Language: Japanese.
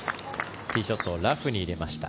ティーショットをラフに入れました。